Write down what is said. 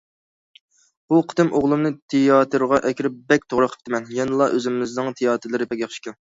بۇ قېتىم ئوغلۇمنى تىياتىرغا ئەكىرىپ بەك توغرا قىپتىمەن، يەنىلا ئۆزىمىزنىڭ تىياتىرلىرى بەك ياخشىكەن.